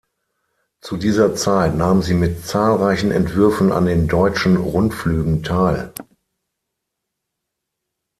Zu dieser Zeit nahm sie mit zahlreichen Entwürfen an den Deutschen Rundflügen teil.